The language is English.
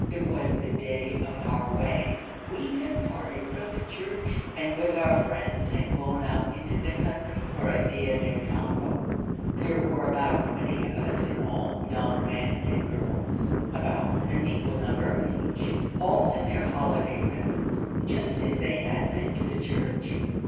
It was the day of our wedding. We had parted from the church; and with our friends had gone out into the country for a dia de campo. There were about twenty of us in all, young men and girls about, an equal number of each all in their holiday dresses, just as they had been to the church.